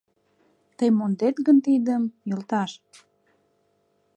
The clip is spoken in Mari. Тый мондет гын тидым, йолташ